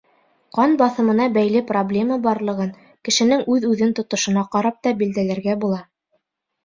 Ҡан баҫымына бәйле проблема барлығын кешенең үҙ-үҙен тотошона ҡарап та билдәләргә була.